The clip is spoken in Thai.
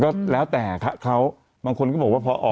ก็แล้วแต่เขาบางคนก็บอกว่าพอ